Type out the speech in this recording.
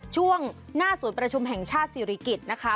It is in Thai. ช่วงหน้าศูนย์ประชุมแห่งชาติศิริกิจนะคะ